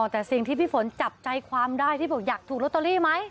แต่สิ่งที่พี่ฝนจับใจความได้ที่บอกอยากถูกลอตเตอรี่ไหม